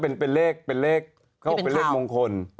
ก็เป็นเลขเลขเขาบอกเป็นเลขมงคล